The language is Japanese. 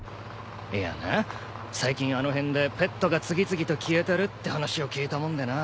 いやな最近あの辺でペットが次々と消えてるって話を聞いたもんでな。